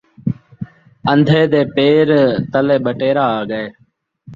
اندھے دے پیر تلے ٻٹیرا آڳئے